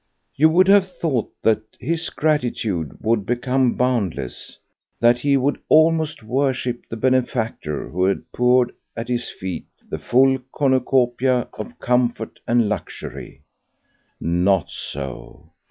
You would have thought that his gratitude would become boundless, that he would almost worship the benefactor who had poured at his feet the full cornucopia of comfort and luxury. Not so!